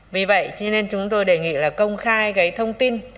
vì vậy cho nên chúng tôi đề nghị là công khai cái thông tin